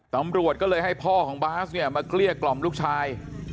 ตำรวจก็เลยให้พ่อของบาสเนี่ยมาเกลี้ยกล่อมลูกชาย